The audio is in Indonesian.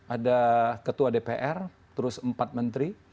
ada ketua dpr terus empat menteri